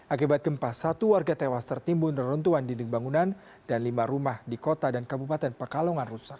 akibat gempa satu warga tewas tertimbun reruntuhan dinding bangunan dan lima rumah di kota dan kabupaten pekalongan rusak